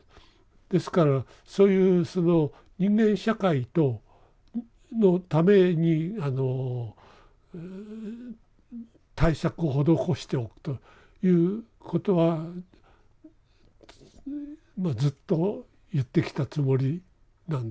ですからそういうその人間社会のために対策を施しておくということはまあずっと言ってきたつもりなんです。